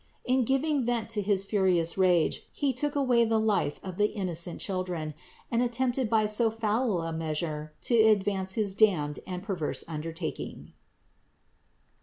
In giving vent to his furious rage, he took away the life of the innocent children and attempted by so foul a measure to advance his damned and perverse undertaking.